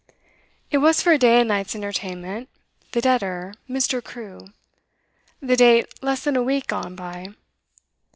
It was for a day and night's entertainment, the debtor 'Mr. Crewe,' the date less than a week gone by.